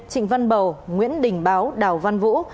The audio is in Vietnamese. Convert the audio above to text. trịnh văn bầu nguyễn đình báo đào văn vũ